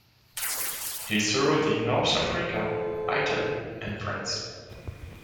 He served in North Africa, Italy and France.